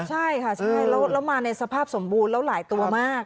ใช่ค่ะใช่แล้วมาในสภาพสมบูรณ์แล้วหลายตัวมาก